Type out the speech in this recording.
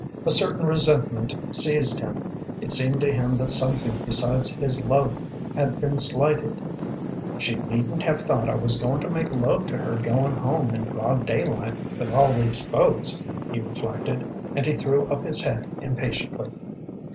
A certain resentment seized him. It seemed to him that something besides his love had been slighted. "She needn't have thought I was going to make love to her going home in broad daylight with all these folks," he reflected, and he threw up his head impatiently.